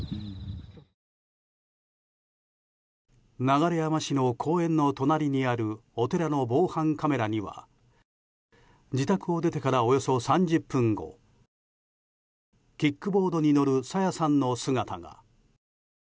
流山市の公園の隣にあるお寺の防犯カメラには自宅を出てから、およそ３０分後キックボードに乗る朝芽さんの姿が。